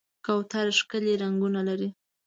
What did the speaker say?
کوتره ښکلي رنګونه لري.